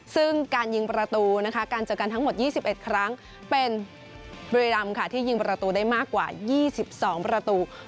ซึ่งการยิงประตูนะคะการเจอกันทั้งหมด๒๑ครั้งเป็นบุรีรำค่ะที่ยิงประตูได้มากกว่า๒๒ประตู